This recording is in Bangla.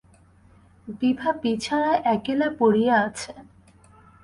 বিভা বিছানায় একেলা পড়িয়া আছে।